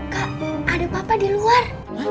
kak ada papa di luar